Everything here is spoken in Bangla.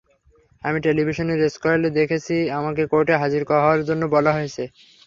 আমি টেলিভিশনের স্ক্রলে দেখেছি আমাকে কোর্টে হাজির হওয়ার জন্য বলা হয়েছে।